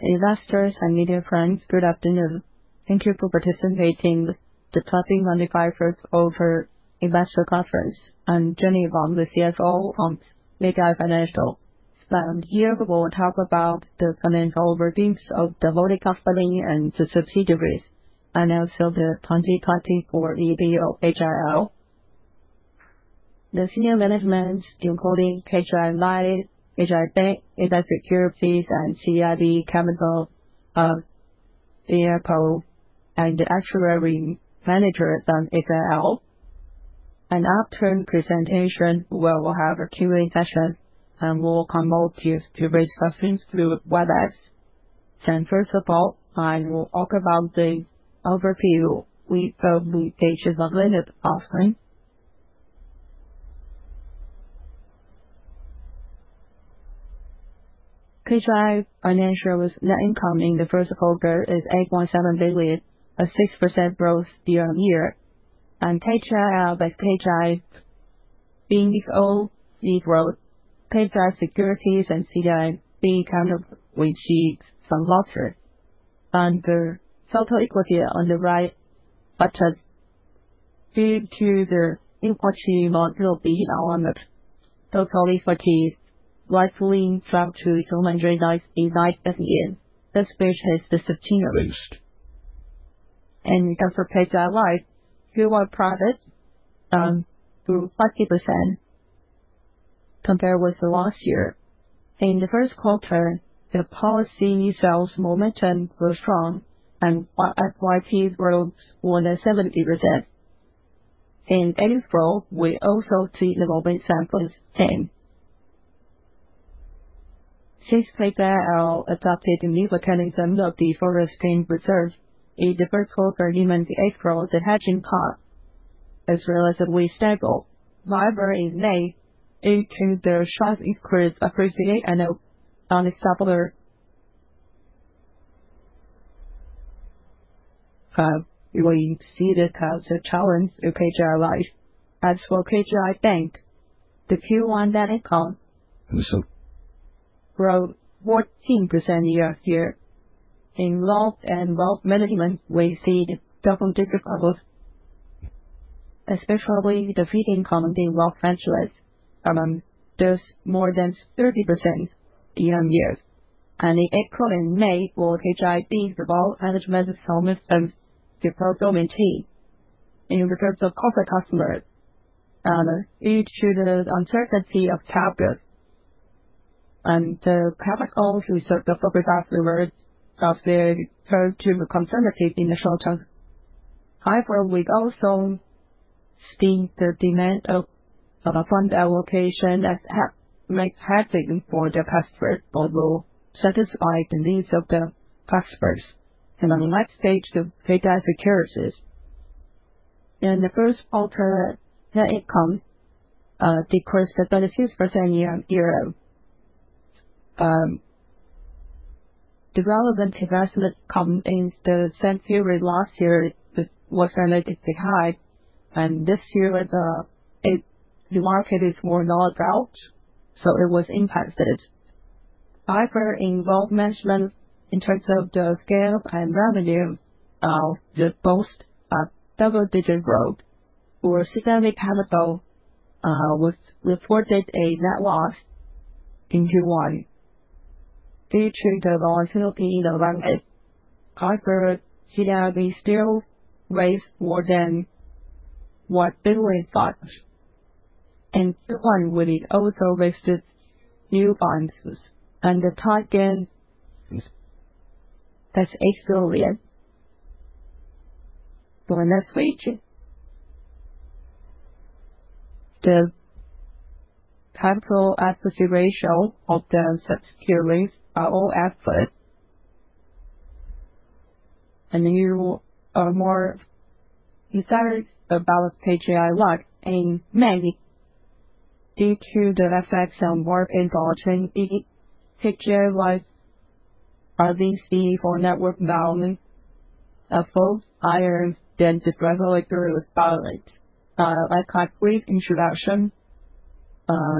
Investors and media friends, good afternoon. Thank you for participating. Discussing on the 25th of our investor conference. I'm Jenny Huang, the CFO of KGI Financial. Here we'll talk about the financial reviews of the holding company and subsidiaries, and also the 2024 EV of HIL. The senior management, including KGI Life, KGI Bank, KGI Securities, and KGI Chemical, are here, and the actuary manager from HIL. After presentation, we will have a Q&A session. We'll come out to raise questions through Webex. First of all, I will talk about the overview. We probably pages are limited often. KGI Financial's net income in the first quarter is 8.7 billion, a 6% growth year-on-year. KGI Bank, KGI Being equal growth, KGI Securities and KGI Being kind of reached some losses. The total equity on the right bottom. Due to the impairment model being adopted, total equities rising from TWD 299 billion. This reaches 15%. As for KGI Life, Q1 profits grew 30% compared with last year. In the first quarter, the policy sales momentum was strong and FYP growth more than 70%. In April, we also see the momentum came. Since KGI adopted a new mechanism of the foreign exchange reserves in the first quarter and April, the hedging part is relatively stable. However, in May, due to the sharp increase appreciated and unacceptable, we will see the kind of challenge to KGI Life. As for KGI Bank, the Q1 net income- Listen grew 14% year-on-year. In loans and wealth management, we see double-digit growth, especially the fee income in wealth management. It grew more than 30% year-on-year. In April and May for KGI Bank, the wealth management's performance kept growing too. In regards to corporate customers, due to the uncertainty of capital and the capital reserve, the public reserves are very conservative in the short term. However, we also see the demand of fund allocation as hedging for their customers that will satisfy the needs of the customers. On the left page, KGI Securities. In the first quarter, net income decreased 36% year-on-year. The relevant investment companies in the same period last year was relatively high, and this year the market is more volatile, so it was impacted. However, in wealth management, in terms of the scale and revenue, it boasts a double-digit growth. For CDIB Capital, it was reported a net loss in Q1 due to the volatility in the market. However, generally still raised more than what they thought. In Q1, we also raised new bonds and the target is at TWD 8 billion. The next page. The capital asset ratio of the subsidiaries are all adequate. You are more excited about KGI Life. In May, due to the effects of more involvement in KGI Life are being seen. Net worth balance are both higher than the regulatory requirements. That's my brief introduction.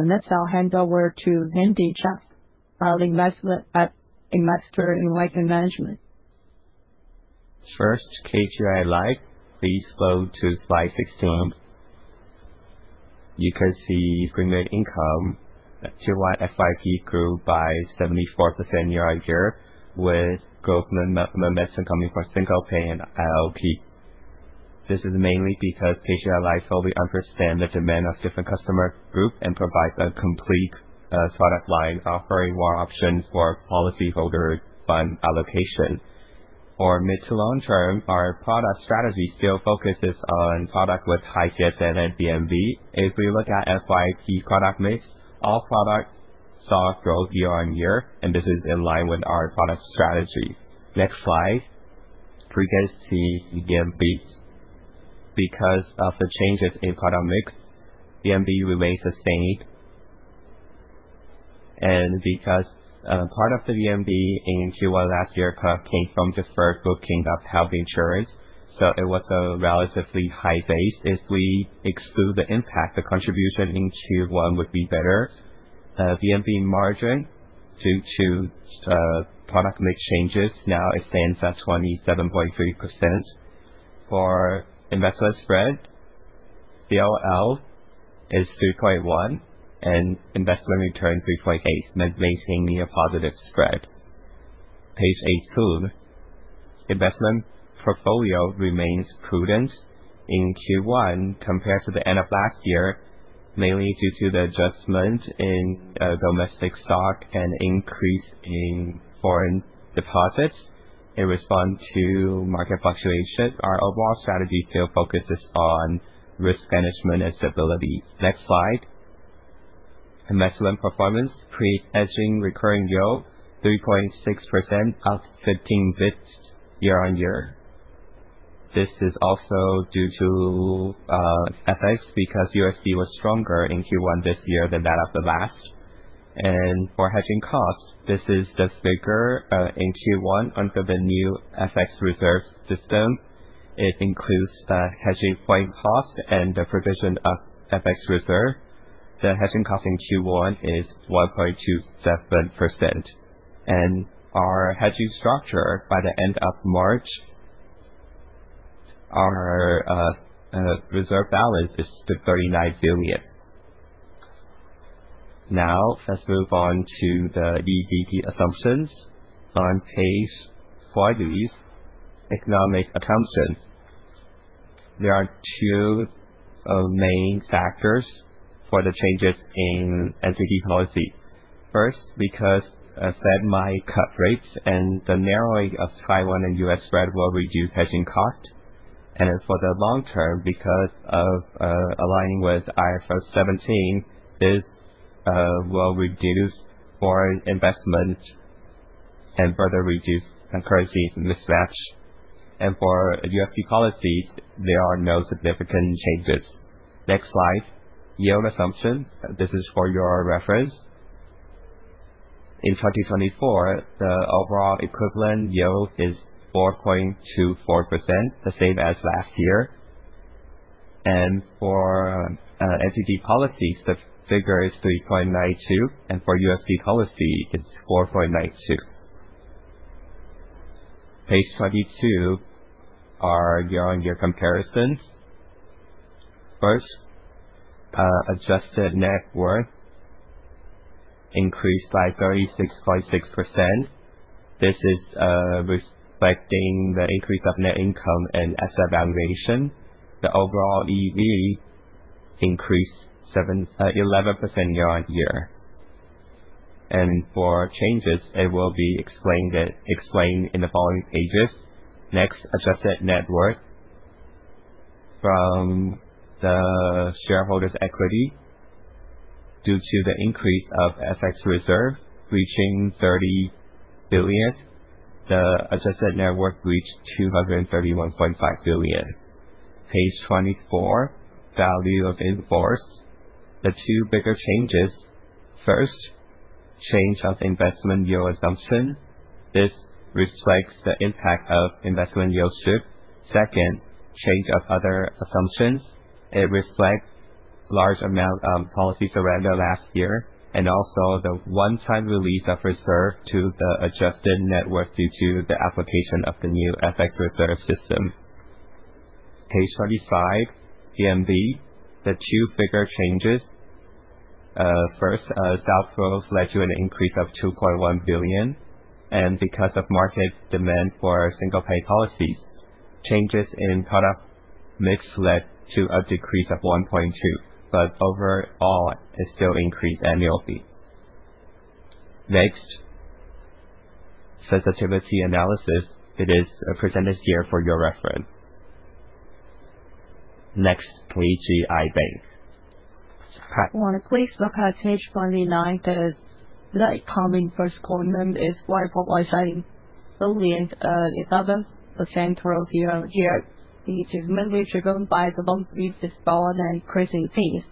Next, I'll hand over to Andrew Cheng, our Analyst in wealth management. First, KGI Life. Please go to slide 16. You can see premium income. Q1 FYP grew by 74% year-on-year, with growth momentum coming from single pay and ILP. This is mainly because KGI Life fully understands the demand of different customer groups and provides a complete product line offering more options for policyholders' fund allocation. For mid to long term, our product strategy still focuses on products with high CSM and VNB. If we look at FYP product mix, all products saw growth year-on-year, and this is in line with our product strategy. Next slide. Frequency VNB. Because of the changes in product mix, VNB remains sustained. Because part of the VNB in Q1 last year came from the first booking of health insurance, so it was a relatively high base. If we exclude the impact, the contribution in Q1 would be better. VNB margin due to product mix changes, now it stands at 27.3%. For investment spread, COL is 3.1% and investment return 3.8%, maintaining a positive spread. Page 18. Investment portfolio remains prudent in Q1 compared to the end of last year, mainly due to the adjustment in domestic stock and increase in foreign deposits in response to market fluctuation. Our overall strategy still focuses on risk management and stability. Next slide. Investment performance pre-hedging recurring yield 3.6%, up 15 basis points year-on-year. This is also due to FX because USD was stronger in Q1 this year than that of the last. For hedging costs, this is the figure in Q1 under the new FX reserve system. It includes the hedging point cost and the provision of FX reserve. The hedging cost in Q1 is 1.27%. Our hedging structure by the end of March, our reserve balance is 39 billion. Now let's move on to the EDD assumptions on page 20, economic assumptions. There are two main factors for the changes in NTD policy. First, because Fed might cut rates and the narrowing of Taiwan and U.S. spread will reduce hedging cost. For the long term, because of aligning with IFRS 17, this will reduce foreign investment and further reduce currency mismatch. For UFP policy, there are no significant changes. Next slide. Yield assumption. This is for your reference. In 2024, the overall equivalent yield is 4.24%, the same as last year. For NTD policy, the figure is 3.92%, and for UFP policy, it's 4.92%. Page 22 are year-on-year comparisons. First, adjusted net worth increased by 36.6%. This is reflecting the increase of net income and asset valuation. The overall EV increased 11% year-on-year. For changes, it will be explained in the following pages. Next, adjusted net worth from the shareholders' equity due to the increase of FX reserve reaching 30 billion, the adjusted net worth reached 231.5 billion. Page 24, value of in-force. The two bigger changes. First, change of investment yield assumption. This reflects the impact of investment yield strip. Second, change of other assumptions. It reflects large amount of policy surrender last year, and also the one-time release of reserve to the adjusted net worth due to the application of the new FX reserve system. Page 25, EMV. The two figure changes. First, sales growth led to an increase of 2.1 billion, and because of market demand for single pay policies, changes in product mix led to a decrease of 1.2 billion, but overall, it still increased annually. Next, sensitivity analysis. It is presented here for your reference. Next, KGI Bank. I want to please look at page 29. The net coming first quarter end is TWD 5.1 billion, the same growth year-on-year, which is mainly driven by the loan business volume and increasing fees.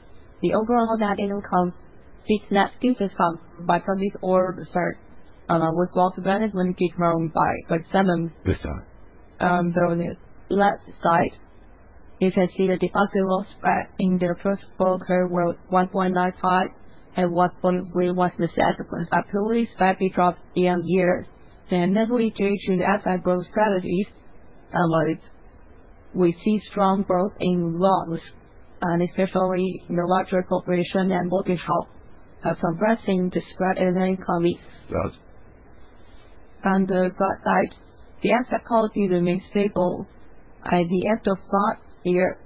The overall net income is net income by 24%, with wealth management each growing by 27%. This side. On the left side, you can see the deposit loan spread in the first quarter was 1.95 and 1.3 was the second. Actually, slightly dropped year-on-year, mainly due to the asset growth strategies. We see strong growth in loans, especially in the larger corporation and mortgage health, compressing the spread in NIMs. Yes. On the right side, the asset quality remains stable at the end of last year.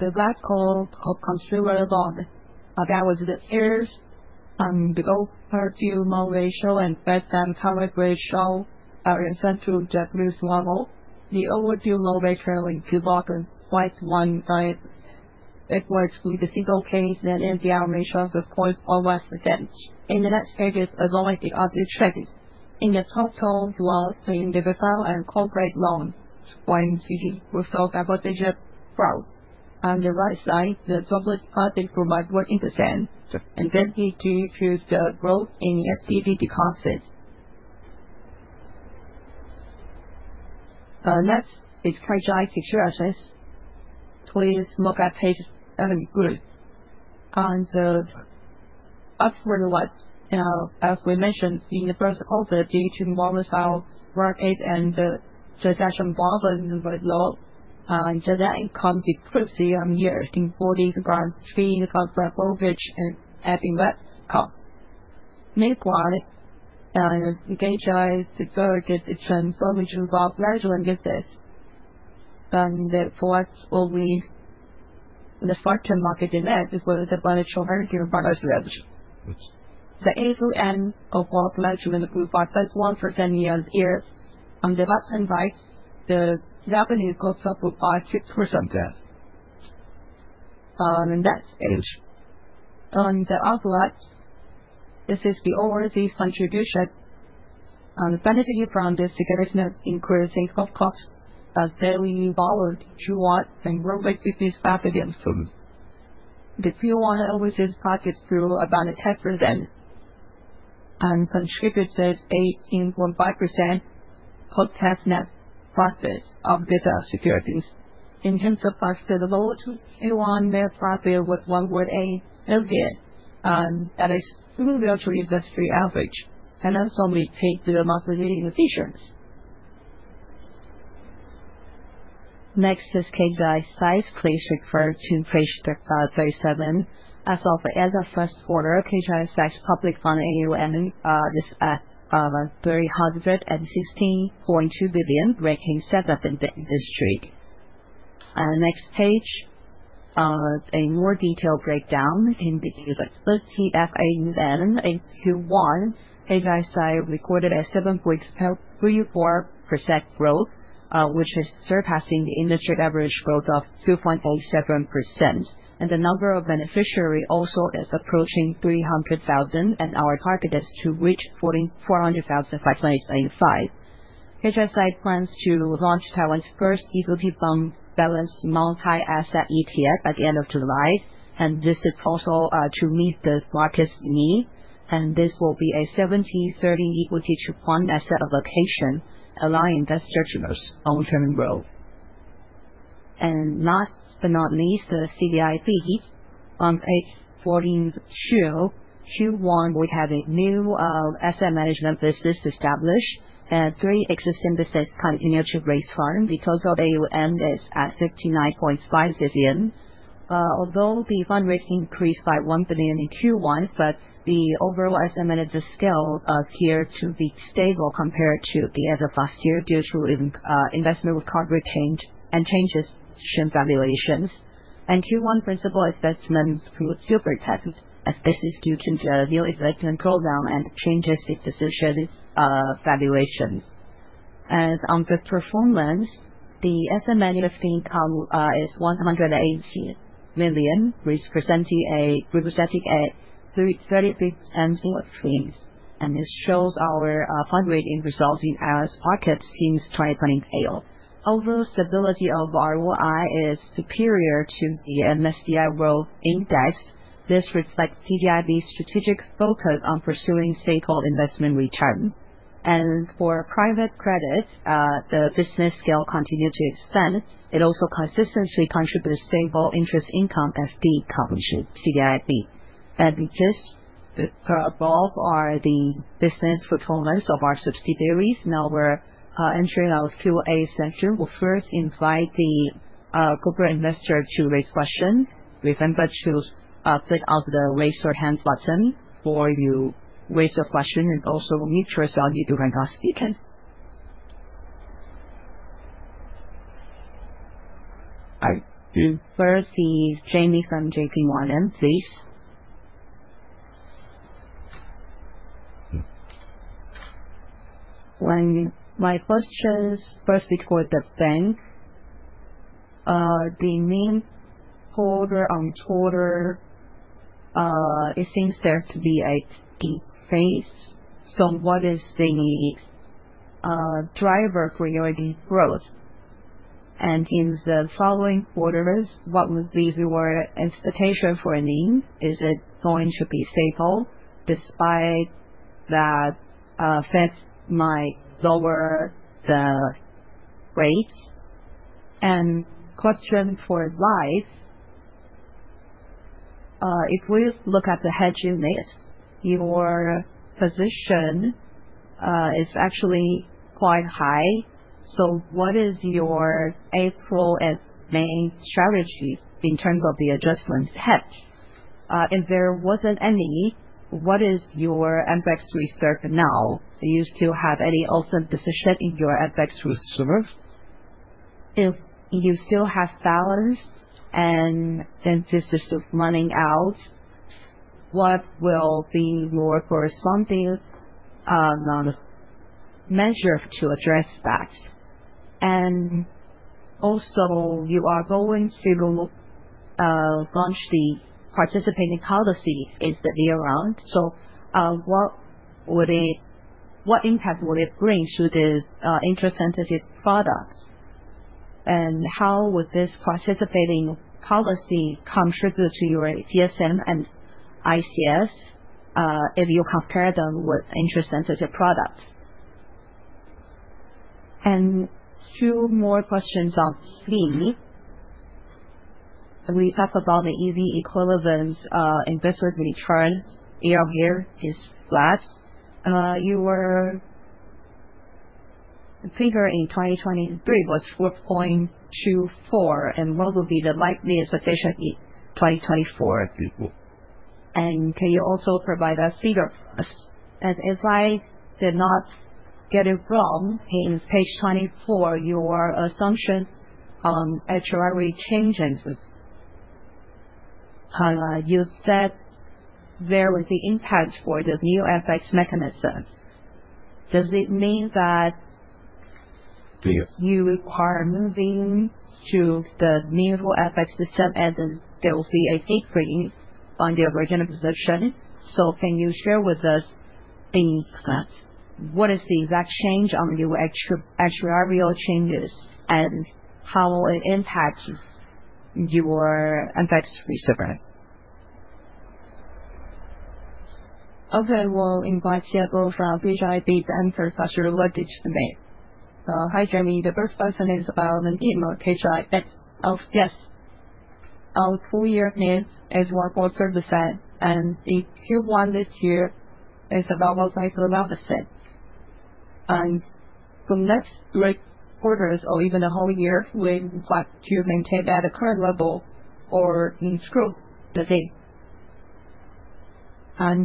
The gross loans of consumer loans balances appears on the overdue loan ratio and past-due coverage ratio are essential to the reduced level. The overdue loan ratio increased by 1%. It works with the single case, and NPL ratio is 0.1%. In the next pages, I'd like to update strategy. In the top loans in the retail and corporate loans, 1 TP, we saw double-digit growth. On the right side, the public deposit grew by 1%, and that is due to the growth in FCD deposits. Next is KGI Securities. Please look at page 7, please. On the upper left, as we mentioned in the first quarter, due to volatile market and the recession problem was low, the net income decreased year including grant fee, grant brokerage and investing income. Meanwhile, KGI secured its transformation of wealth management business, therefore will be the first to market in it as well as the financial market. The AUM of wealth management group are 31% year-on-year. On the bottom right, the Japanese corporate group are 6% down. On the next page. On the upper left, this is the ORZ contribution, benefiting from the securities net increasing cost of daily balance, Q1 and gross efficiency dividend. The Q1 overseas markets grew about 10%, contributed 18.5% cost as net profit of this securities. In terms of profitability, Q1 net profit was 1.8 billion, that is similar to the industry average. Also we take the monthly in the futures. Next is KGI SITE. Please refer to page 37. As of the end of first quarter, KGI SITE public fund AUM is at 360.2 billion, ranking seventh in the industry. Next page, a more detailed breakdown in the AUM in Q1. KGI SITE recorded a 7.34% growth, which is surpassing the industry average growth of 2.87%. The number of beneficiary also is approaching 300,000, our target is to reach 400,000 by 2025. KGI SITE plans to launch Taiwan's first equity fund balanced multi-asset ETF at the end of July, this is also to meet the market's need, this will be a 70/30 equity to fund asset allocation, allowing investors long-term growth. Last but not least, the CDIB. On April 14th, Q1, we have a new asset management business established, three existing business continue to raise fund. The total AUM is at 59.5 billion. Although the fund raising increased by 1 billion in Q1, but the overall asset management scale appear to be stable compared to the end of last year due to investment recovery change and changes in valuations. In Q1, principal investments grew 2%, as this is due to the new investment program and changes in associated valuations. On the performance, the asset management fee is 180 million, representing a 36% year-over-year. This shows our fundraising resulting as markets in 2023. Overall stability of ROI is superior to the MSCI World Index. This reflects CDIB's strategic focus on pursuing stakeholder investment return. For private credit, the business scale continued to expand. It also consistently contributed stable interest income as the accomplished CDIB. Above are the business performance of our subsidiaries. Now we're entering our QA section. We'll first invite the corporate investor to raise question. Remember to click on the Raise Your Hand button before you raise your question, mute yourself during speaking. First is Jamie from J.P. Morgan, please. My question is first is for the bank. The NIM quarter-on-quarter, it seems there to be a decrease. What is the driver for your de-growth? In the following quarters, what would be your expectation for NIM? Is it going to be stable despite that FEDs might lower the rates? Question for life. If we look at the hedge unit, your position is actually quite high. What is your April and May strategy in terms of the adjustment hedge? If there wasn't any, what is your FX reserve now? Do you still have any open position in your FX reserve? If you still have balance and then just running out, what will be your corresponding measure to address that? You are going to launch the participating policy instantly around. What impact will it bring to the interest-sensitive products? How would this participating policy contribute to your CSM and ICS, if you compare them with interest-sensitive products? Two more questions on fee. We talk about the EV equivalents, investor return year-over-year is flat. Your figure in 2023 was 4.24, and what will be the likely expectation in 2024? 4.24. Can you also provide that figure for us? If I did not get it wrong, in page 24, your assumption on actuary changes. You said there was the impact for the new FX mechanism. Does it mean that? Yeah You require moving to the new FX system and then there will be a decrease on the original position. Can you share with us in exact, what is the exact change on your actuarial changes and how it impacts your FX reserve? We will invite CFO from KGI Bank to answer Sasha's related debate. Hi, Jeremy. The first question is about the NIM of KGI Bank. Our full year NIM is 1.3%, and in Q1 this year is about 1.11%. For next three quarters or even the whole year, we would like to maintain at the current level or improve the NIM.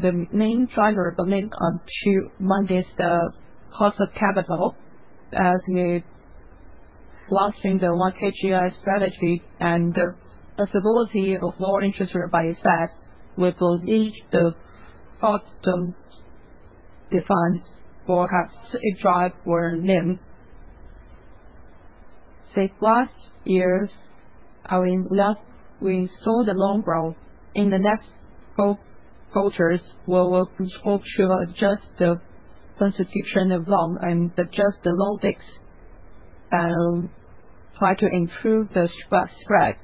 The main driver of the NIM contribute one is the cost of capital. As we launching the ONE KGI strategy and the possibility of more interest rate by Fed will lead the cost of deposits or perhaps it drive more NIM. Last years, we saw the long run. In the next four quarters, we hope to adjust the constitution of loan and adjust the loan mix and try to improve the spread,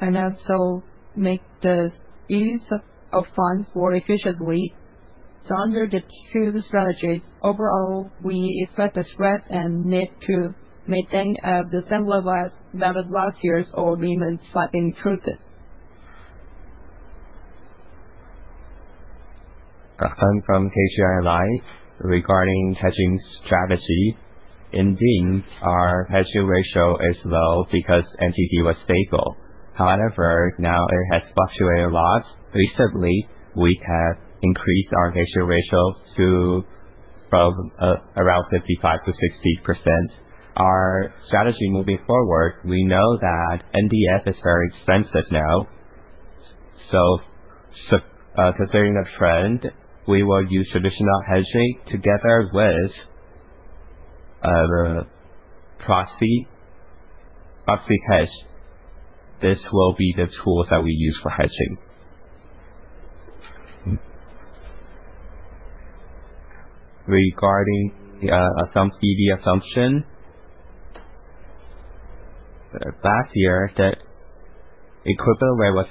and also make the use of funds more efficiently. Under the two strategies, overall, we expect the spread and NIM to maintain at the similar level as last year's or even slightly improved. I'm from KGI Life regarding hedging strategy. Indeed, our hedge ratio is low because NTD was stable. Now it has fluctuated a lot. Recently, we have increased our hedge ratio to around 55%-60%. Our strategy moving forward, we know that NDF is very expensive now. Considering the trend, we will use traditional hedging together with a proxy hedge. This will be the tools that we use for hedging. Regarding the assumption, last year the equivalent rate was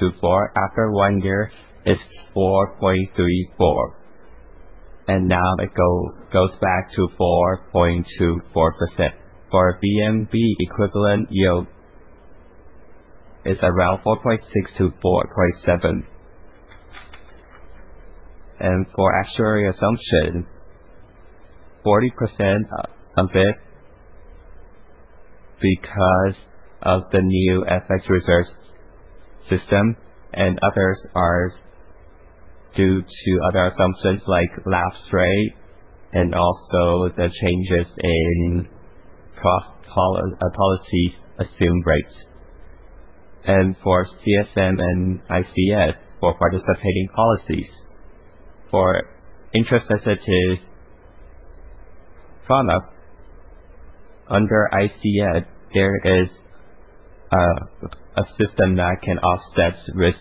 4.24. After 1 year, it's 4.34, and now it goes back to 4.24%. For BMV equivalent yield is around 4.6-4.7%. For actuary assumption, 40% of it because of the new FX reserve system and others are due to other assumptions like lapse rate and also the changes in policies assumed rates. For CSM and ICS, for participating policies for interest sensitive funnel under ICS, there is a system that can offset risk.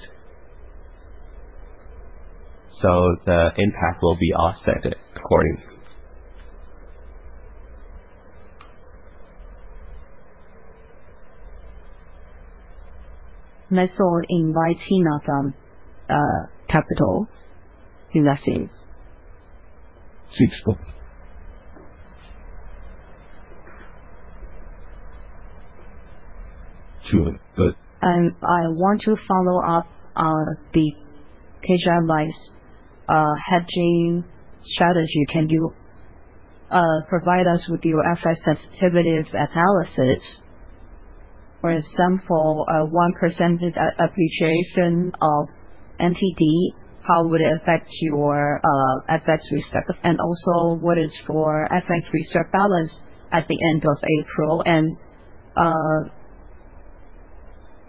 The impact will be offset accordingly. Next I will invite CTBC Capital. Please. I want to follow up the KGI Life's hedging strategy. Can you provide us with your FX sensitivities analysis? For example, a 1% appreciation of NTD, how would it affect your FX reserve? What is for FX reserve balance at the end of April?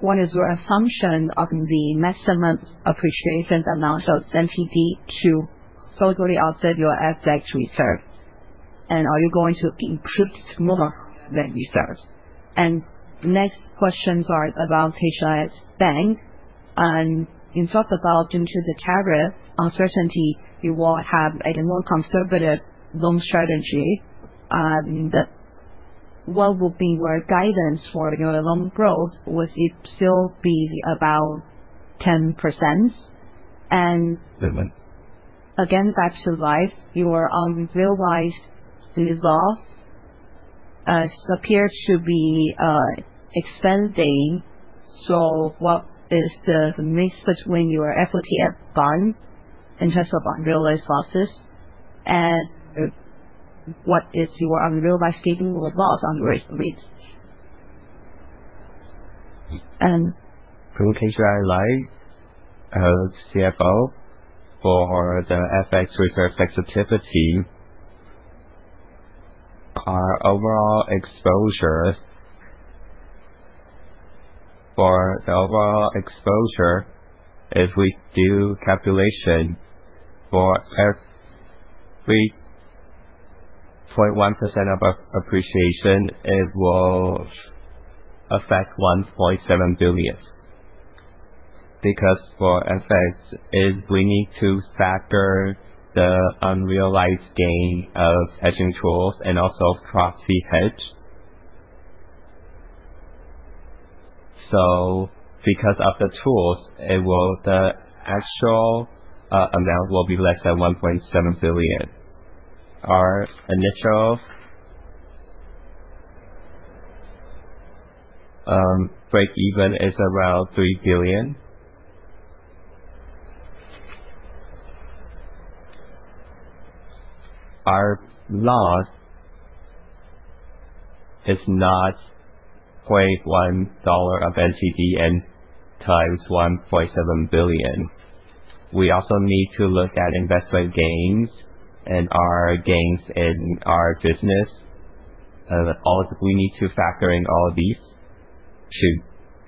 What is your assumption of the maximum appreciation amount of NTD to totally offset your FX reserve? Are you going to increase more the reserves? Next questions are about KGI Bank. You talked about due to the tariff uncertainty, you will have a more conservative loan strategy. What would be your guidance for your loan growth? Would it still be about 10%? That one Again, back to life, your unrealized loss appears to be expanding. What is the mix between your equity and bond in terms of unrealized losses? What is your unrealized gain or loss on recent weeks? To KGI Life, as CFO, for the FX reserve sensitivity, our overall exposure, for the overall exposure, if we do calculation for every 0.1% of appreciation, it will affect TWD 1.7 billion. For FX, we need to factor the unrealized gain of hedging tools and also proxy hedge. Because of the tools, the actual amount will be less than 1.7 billion. Our initial break even is around 3 billion. Our loss is not 0.1 of NTD times 1.7 billion. We also need to look at investment gains and our gains in our business. We need to factor in all these to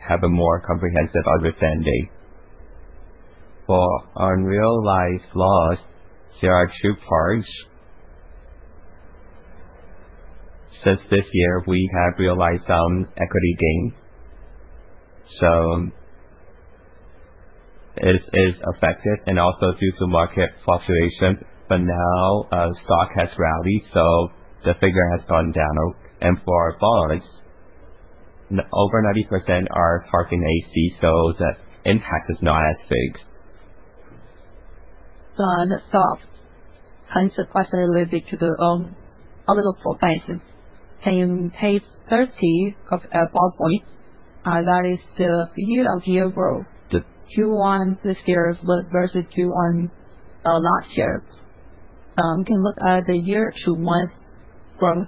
have a more comprehensive understanding. For unrealized loss, there are two parts. This year, we have realized some equity gains. It is affected, and also due to market fluctuation. Now our stock has rallied, the figure has gone down. For our bonds, over 90% are parked in AC, the impact is not as big. I will just question a little bit to the other four banks. On page 30 of our points, that is the year-on-year growth. The Q1 this year versus Q1 last year. We can look at the year-to-month growth.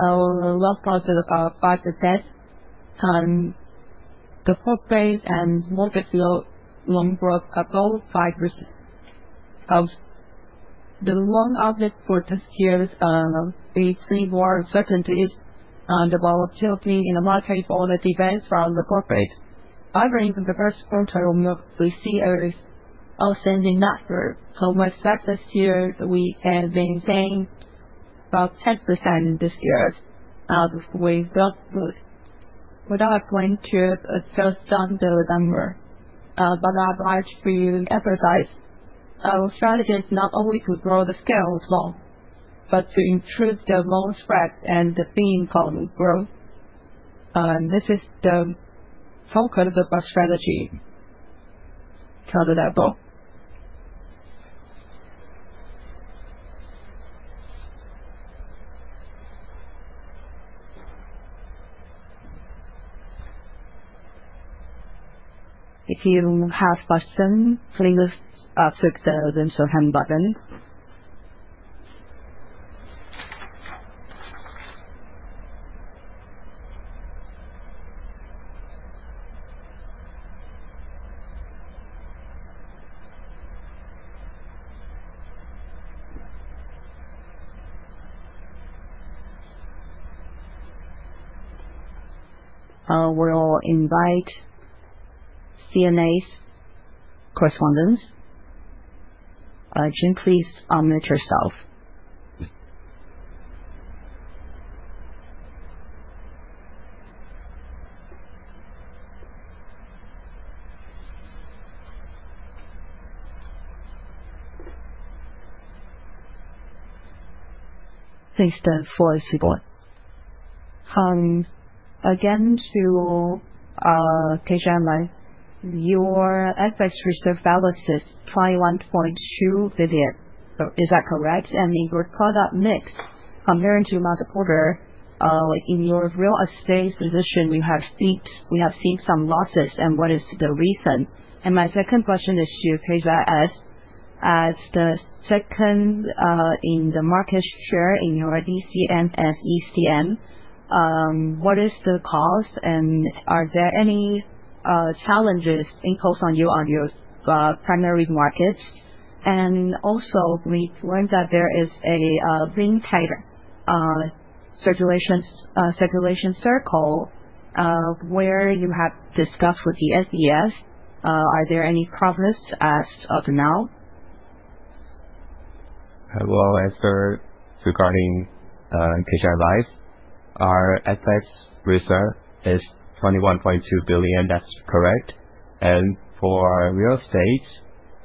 Our loan growth is about 5%. The corporate and mortgage loan growth are both 5%. The loan outlook for this year, we see more uncertainties. The volatility in the market, all the events from the corporate. However, in the first quarter of this year, outstanding 9% from last year, we have been saying about 10% this year. We got good. We are not going to adjust on the number. I would like to emphasize our strategy is not only to grow the scale of loans, but to improve the loan spread and the fee income growth. This is the focus of our strategy for the level. If you have questions, please click the raise your hand button. We will invite CNA's correspondents. Jean, please unmute yourself. Thanks for your support. Again to KGI Life. Your FX reserve balances, 21.2 billion. Is that correct? Your product mix compared to last quarter, in your real estate position, we have seen some losses and what is the reason? My second question is to KGI Securities. As the second in the market share in your DCM and ECM, what is the cause? Are there any challenges imposed on you on your primary markets? Also, we learned that there is a ring-tightener circulation circle where you have discussed with the SFC. Are there any progress as of now? I will answer regarding KGI Life. Our FX reserve is 21.2 billion, that is correct. For real estate,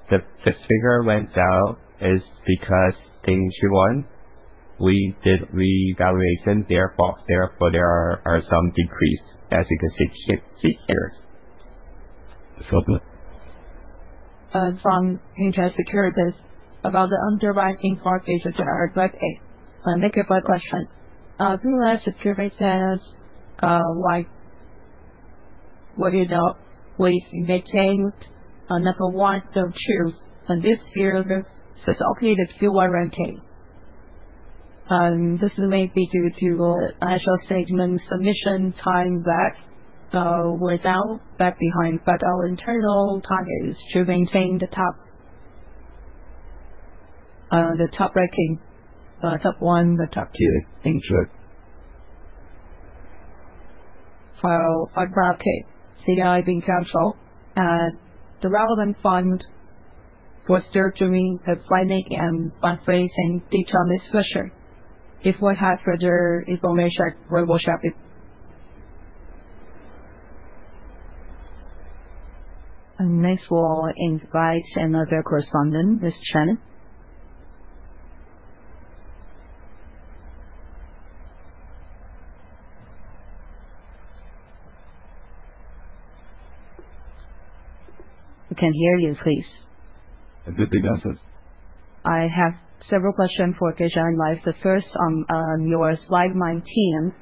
the figure went down is because in Q1 we did revaluation, therefore, there are some decrease, as you can see here. Good. From HSBC Securities about the underwriting for geji.com. Make it my question. geji.com has, we have maintained number one, top two, and this year the society is still ranking. This may be due to initial statement submission time that were due behind, but our internal target is to maintain the top ranking. Top one, the top two things. On bracket CI being cancel and the relevant fund was there during the planning and fundraising determined especially if we have further information, we will share it. Next we will invite another correspondent, Ms. Chen. We can't hear you, please. A good day to us. I have several questions for Geji.com. The first on your slide 19,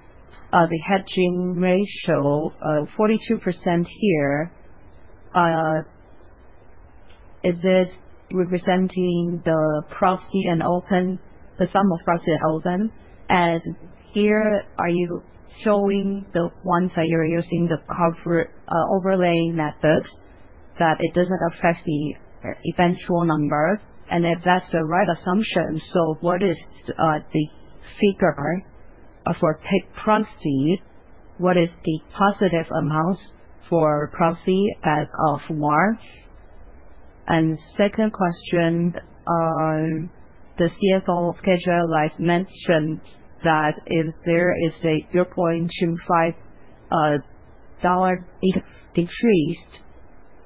the hedging ratio of 42% here, is this representing the proxy and open the sum of proxy and open? Here are you showing the ones that you're using the overlay approach methods that it doesn't affect the eventual number? If that's the right assumption, what is the figure for paid proxies? What is the positive amount for proxy as of March? Second question on the CFO schedule, mentioned that if there is a 0.25 dollar decreased,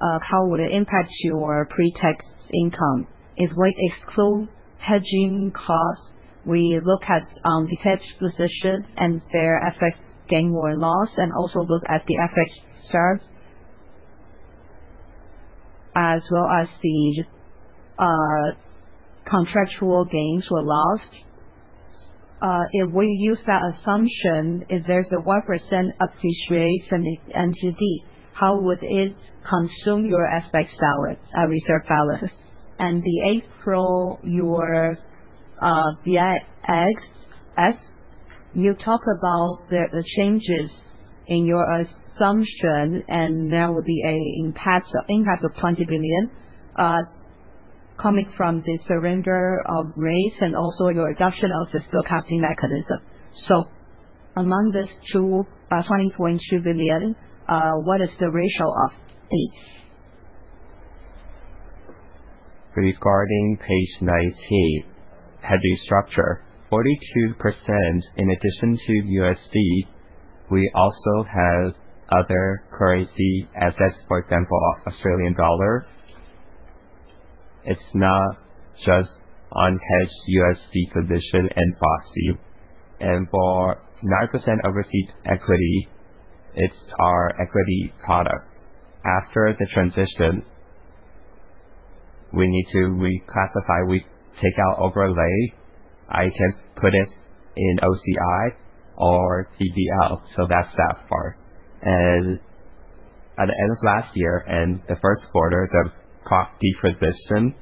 how would it impact your pre-tax income? If we exclude hedging costs, we look at the hedge position and their effect gain or loss, and also look at the effect served as well as the contractual gains or loss. If we use that assumption, if there's a 1% appreciation in USD, how would it consume your FX reserve balance? The April your VXX, you talk about the changes in your assumption and there will be an impact of 20 billion coming from the surrender of raise and also your adoption of the stochastic mechanism. Among this 2.2 billion, what is the ratio of each? Regarding page 19, hedging structure. 42% in addition to USD, we also have other currency assets, for example Australian dollar. It's not just unhedged USD position and proxy. For 9% overseas equity, it's our equity product. After the transition, we need to reclassify, we take out overlay approach. I can put it in OCI or P&L, that's that part. At the end of last year and the first quarter, the proxy position,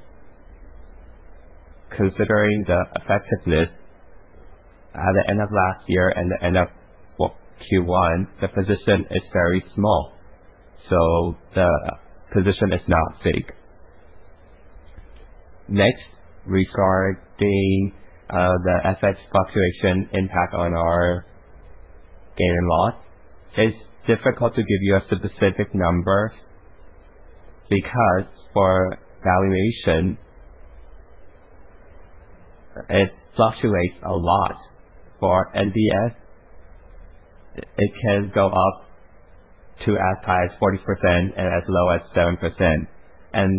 considering the effectiveness at the end of last year and the end of Q1, the position is very small. The position is not big. Next, regarding the FX fluctuation impact on our gain and loss. It's difficult to give you a specific number because for valuation it fluctuates a lot. For NDF, it can go up to as high as 40% and as low as 7%.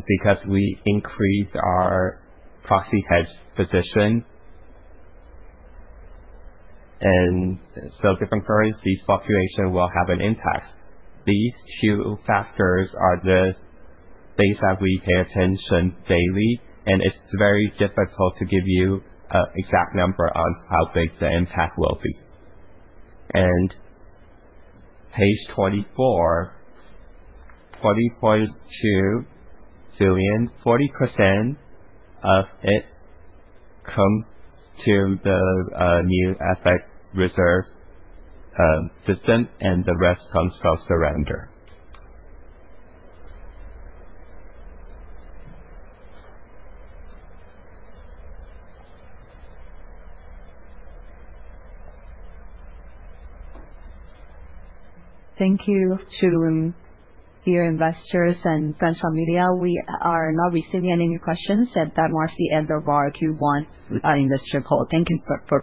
Because we increased our proxy hedge position, and so different currency fluctuation will have an impact. These two factors are the things that we pay attention daily, and it's very difficult to give you a exact number on how big the impact will be. Page 24, TWD 40.2 billion, 40% of it comes to the new FX reserve system and the rest comes from surrender. Thank you to dear investors and financial media. We are not receiving any questions, and that marks the end of our Q1 investor call. Thank you for calling.